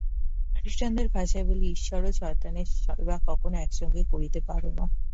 খ্রীষ্টানদের ভাষায় বলি ঈশ্বর ও শয়তানের সেবা কখনও এক সঙ্গে করিতে পার না।